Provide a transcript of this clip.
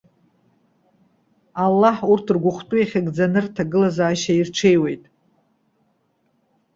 Аллаҳ, урҭ ргәахәтәы иахьыгӡаны рҭагылазаашьа ирҽеиуеит.